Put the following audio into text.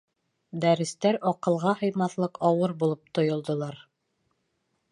Дәрестәр аҡылға һыймаҫлыҡ ауыр булып тойолдолар